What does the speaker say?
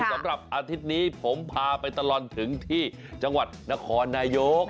สำหรับอาทิตย์นี้ผมพาไปตลอดถึงที่จังหวัดนครนายก